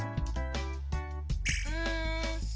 うん。